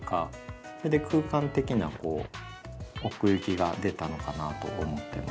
それで空間的な奥行きが出たのかなと思ってます。